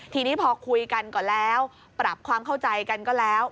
ทีนี้พอคุยกันก่อนแล้วปรับความเข้าใจกันก็แล้ว